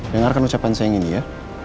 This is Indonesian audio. dengarkan ucapan saya yang ini ya